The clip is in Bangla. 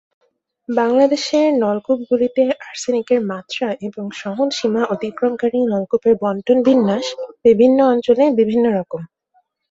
বাংলাদেশের নলকূপগুলিতে আর্সেনিকের মাত্রা এবং সহনসীমা অতিক্রমকারী নলকূপের বণ্টন বিন্যাস বিভিন্ন অঞ্চলে বিভিন্ন রকম।